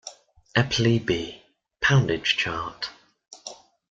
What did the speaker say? Epley, B. Poundage chart.